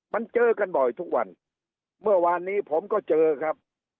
มันเจอกันบ่อยทุกวันเมื่อวานนี้ผมก็เจอครับ